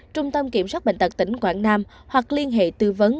trung tâm kiểm soát bệnh tật tỉnh quảng nam hoặc liên hệ tư vấn